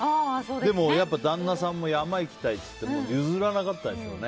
でも、やっぱり旦那さんも山行きたいって言って譲らなかったんでしょうね。